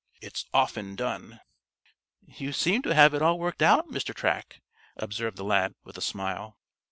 It's often done." "You seem to have it all worked out, Mr. Track," observed the lad, with a smile.